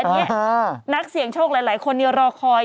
อันนี้นักเสี่ยงโชคหลายคนรอคอย